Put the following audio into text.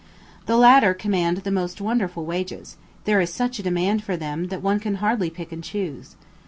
The latter command the most wonderful wages, there is such a demand for them that one can hardly pick and choose.